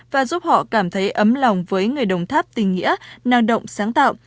và giúp họ cảm thấy ấm lòng với người đồng tháp tình nghĩa năng động sáng tạo